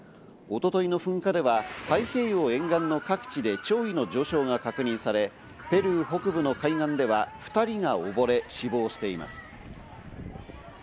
一昨日の噴火では太平洋沿岸の各地で潮位の上昇が確認され、ペルー北部の海岸では２人がおぼれ、死亡しています。